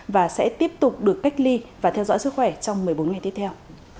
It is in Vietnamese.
và sẽ tiếp tục được cách ly và theo dõi sức khỏe trong một mươi bốn ngày tiếp theo